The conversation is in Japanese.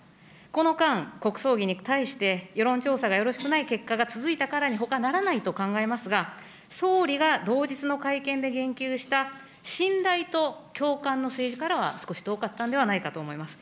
この間、国葬儀に対して、世論調査がよろしくない結果が続いたからにほかならないと考えますが、総理が同日の会見で言及した、信頼と共感の政治からは、少し遠かったんではないかと思います。